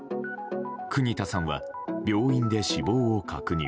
国田さんは病院で死亡を確認。